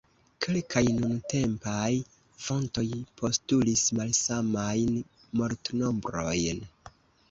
Kelkaj nuntempaj fontoj postulis malsamajn mortnombrojn.